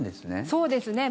そうですね。